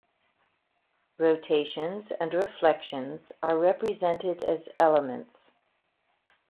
Rotations and reflections are represented as elements.